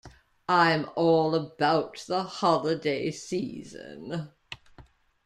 I'm all about the holiday season.